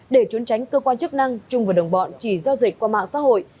để trốn tránh cơ quan chức năng trung và đồng bọn chỉ giao dịch qua mạng xã hội